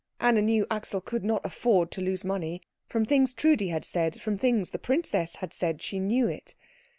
Anna knew Axel could not afford to lose money. From things Trudi had said, from things the princess had said, she knew it.